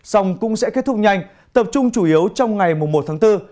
sông cũng sẽ kết thúc nhanh tập trung chủ yếu trong ngày mùa một tháng bốn